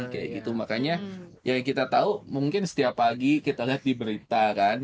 kayak gitu makanya ya kita tahu mungkin setiap pagi kita lihat di berita kan